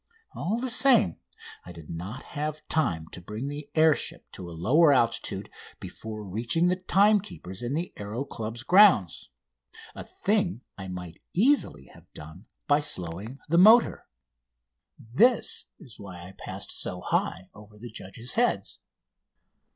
All the same, I did not have time to bring the air ship to a lower altitude before reaching the timekeepers in the Aéro Club's grounds a thing I might easily have done by slowing the motor. This is why I passed so high over the judges' heads.